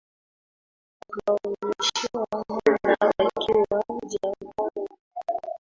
Akawanyeshea mana wakiwa jangwani.